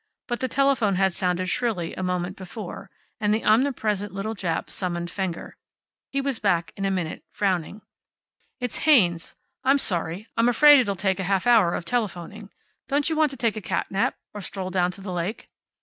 But the telephone had sounded shrilly a moment before, and the omnipresent little Jap summoned Fenger. He was back in a minute, frowning. "It's Haynes. I'm sorry. I'm afraid it'll take a half hour of telephoning. Don't you want to take a cat nap? Or a stroll down to the lake?"